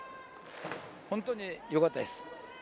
本当によかったです。